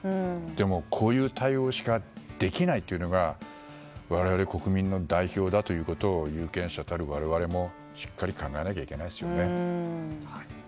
でも、こういう対応しかできないというのが我々、国民の代表だということを有権者たる我々もしっかり考えなきゃいけないですよね。